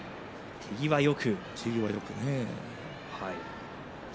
手際はよく。